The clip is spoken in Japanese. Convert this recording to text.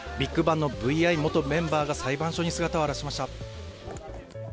ＢＩＧＢＡＮＧのＶ．Ｉ元メンバーが裁判所に姿を現しました。